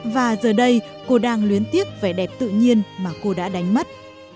và giờ đây cô đang luyến tiếc vẻ đẹp tự nhiên mà cô đã đánh mất